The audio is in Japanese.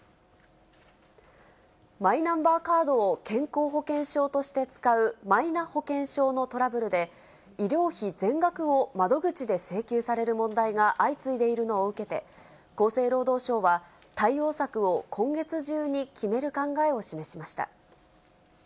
マイナンバーカードを健康保険証として使うマイナ保険証のトラブルで、医療費全額を窓口で請求される問題が相次いでいるのを受けて、厚生労働省は、対応策を今月中に決める考えを示しました。